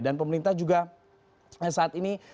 dan pemerintah juga saat ini